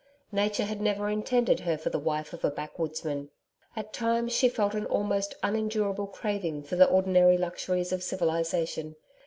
Nature had never intended her for the wife of a backwoodsman. At times she felt an almost unendurable craving for the ordinary luxuries of civilisation.